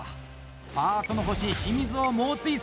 パートの星・清水を猛追する！